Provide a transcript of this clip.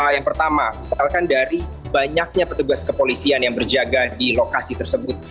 yang pertama misalkan dari banyaknya petugas kepolisian yang berjaga di lokasi tersebut